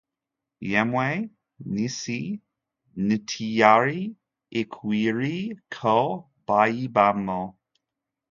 yemwe, n’isi ntiyari ikwiriye ko bayibamo!